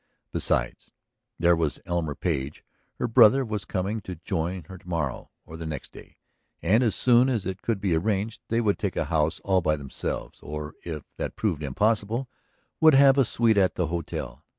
Besides, there was Elmer Page. Her brother was coming to join her to morrow or the next day, and as soon as it could be arranged they would take a house all by themselves, or if that proved impossible, would have a suite at the hotel.